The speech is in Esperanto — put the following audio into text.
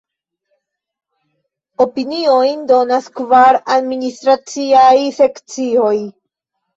Opiniojn donas kvar administraciaj sekcioj.